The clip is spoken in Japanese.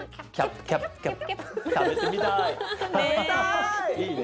食べてみたい。ね。